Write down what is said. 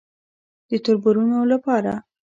_د تربرونو له پاره.